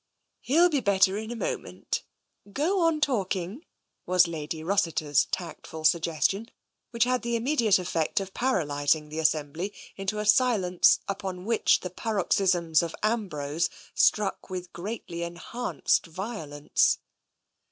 " He'll be better in a moment. Go on talking," was Lady Rossiter's tactful suggestion, which had the immediate effect of paralysing the assembly into a silence upon which the paroxysms of Ambrose struck with greatly enhanced violence.